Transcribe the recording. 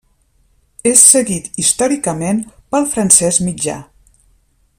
És seguit històricament pel francès mitjà.